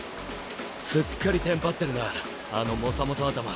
すっかりテンパってるなあのモサモサ頭。